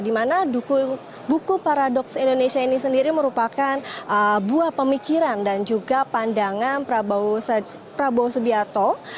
dimana buku paradoks indonesia ini sendiri merupakan buah pemikiran dan juga pandangan prabowo subianto